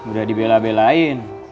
hmm udah dibela belain